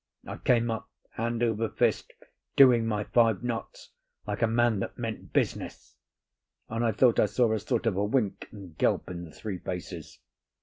I came up hand over fist, doing my five knots, like a man that meant business; and I thought I saw a sort of a wink and gulp in the three faces.